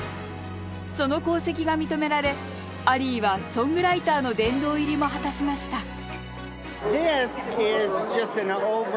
その功績が認められアリーはソングライターの殿堂入りも果たしました